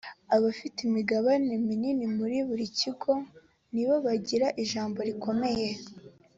abafite imigabane minini muri buri kigo ni bo bagira ijambo rikomeye